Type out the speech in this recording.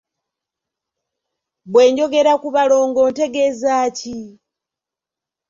Bwe njogera ku balongo ntegeeza ki?